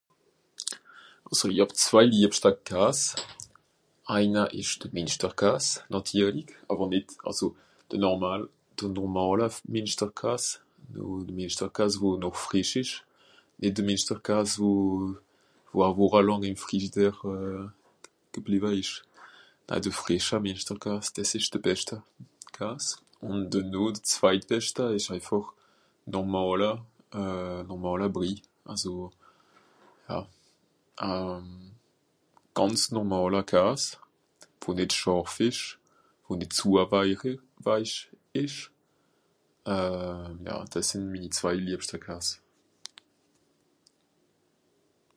Àlso i hàb zwei liebschta Kas. Eina ìsch de Mìnschterkas nàtirlig àwer nìt aso, de normal... de normàler Mìnschterkas. De Mìschterkas wo noch frìsch ìsch. nìt de Mìnschterkas wo... wo e Wùcha làng ìm Frischidär euh... gebliwe ìsch. Euh de Frìscher Mìnschterkas dìs ìsch de beschte Kas. Ùn denoh de zweit beschte ìsch eifàch normàler euh... normàler Brie, aso, ja, a gànz normàler Kas wo nìt schàrf ìsch ùn nìt zua weich ì... weich ìsch. euh... ja, dìs sìnn minni zwei liebschte Kas.